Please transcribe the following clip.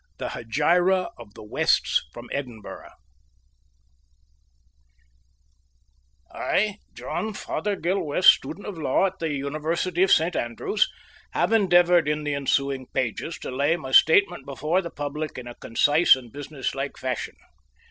THE HEGIRA OF THE WESTS FROM EDINBURGH I, John Fothergill West, student of law in the University of St. Andrews, have endeavoured in the ensuing pages to lay my statement before the public in a concise and business like fashion.